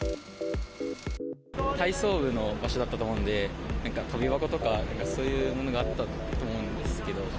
体操部の場所だったと思うんで、とび箱とか、そういうものがあったと思うんですけど。